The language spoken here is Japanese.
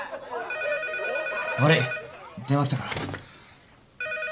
☎悪い電話来たから。